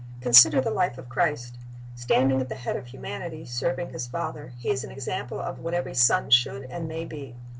Consider the life of Christ. Standing at the head of humanity, serving His Father, He is an example of what every son should and may be.